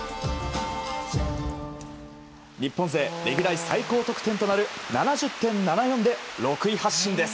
日本勢、歴代最高得点となる７０．７４点で６位発進です。